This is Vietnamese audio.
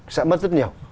sẽ mất rất nhiều